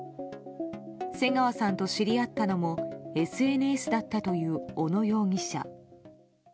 瀬川さんと知り合ったのもＳＮＳだったという小野容疑者。